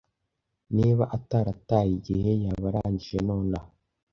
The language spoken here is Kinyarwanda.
Niba atarataye igihe, yaba arangije nonaha.